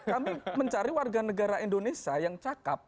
kami mencari warga negara indonesia yang cakep